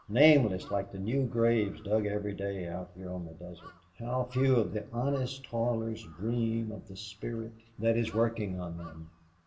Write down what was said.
Nameless like the new graves dug every day out here on the desert.... How few of the honest toilers dream of the spirit that is working on them.